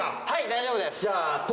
はい大丈夫です。